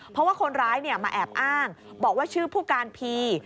เพราะว่าคนร้ายมาแอบอ้างบอกว่าชื่อผู้การพี